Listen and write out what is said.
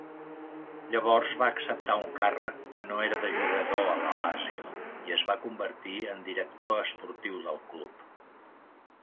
Llavors va acceptar un càrrec que no era de jugador a la Lazio i es va convertir en director esportiu del club.